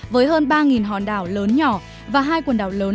với hơn ba hòn đảo lớn nhỏ và hai quần đảo lớn